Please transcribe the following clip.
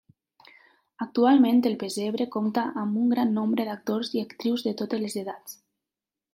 Actualment, el pessebre compta amb un gran nombre d'actors i actrius de totes les edats.